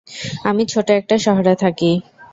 আমি ছোট একটা শহরে থাকি।